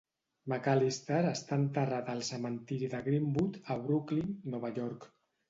McAllister està enterrat al cementiri de Green-Wood, a Brooklyn, Nova York.